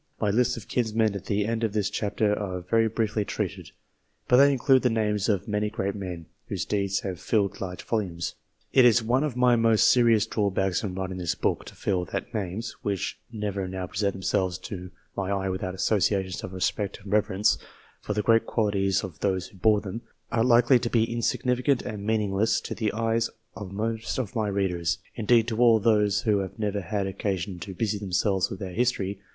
My lists of kinsmen at the end of this chapter are very briefly treated, but they include the names of many great men, whose deeds have filled large volumes. It is one of my most serious BETWEEN 1660 AND 1865 63 drawbacks in writing this book, to feel that names, which never now present themselves to my eye without asso ciations of respect and reverence, for the great qualities of those who bore them, are likely to be insignificant and meaningless to the eyes of most of my readers indeed to all of those who have never had occasion to busy them selves with their history.